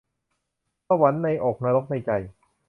สวรรค์ในอกนรกในใจ